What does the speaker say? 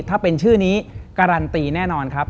ถ้าเป็นชื่อนี้การันตีแน่นอนครับ